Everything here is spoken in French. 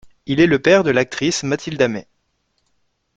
Il est le père de l'actrice Mathilda May.